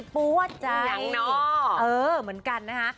ปวดใจอย่างนอเออเหมือนกันนะฮะ